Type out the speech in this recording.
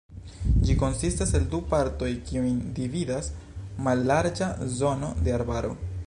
Ĝi konsistas el du partoj kiujn dividas mallarĝa zono de arbaro.